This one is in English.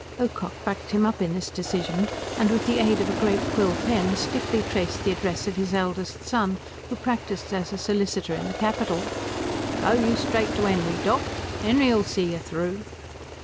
Ocock backed him up in this decision, and with the aid of a great quill pen stiffly traced the address of his eldest son, who practised as a solicitor in the capital. "Go you straight to 'Enry, doc. 'Enry'll see you through."